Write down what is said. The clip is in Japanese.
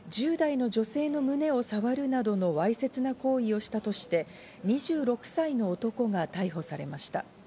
東京・大田区の路上で、１０代の女性の胸を触るなどのわいせつな行為をしたとして、２６歳の男が逮捕されました。